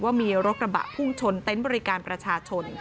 ว่ามีรถกระบะพุ่งชนเต็นต์บริการประชาชน